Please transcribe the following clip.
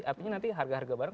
artinya nanti harga harga barang